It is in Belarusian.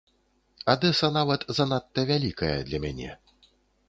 Адэса нават занадта вялікая для мяне.